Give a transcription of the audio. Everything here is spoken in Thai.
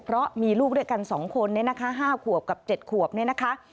เพราะมีลูกด้วยกัน๒คนนะคะ๕ขวบกับ๗ขวบนะคะ